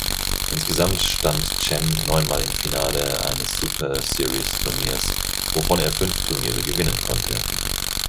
Insgesamt stand Chen neunmal im Finale eines Superseries-Turniers, wovon er fünf Turniere gewinnen konnte.